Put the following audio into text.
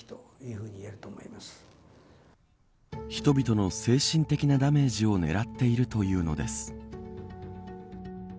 人々の精神的なダメージを狙っているというのです。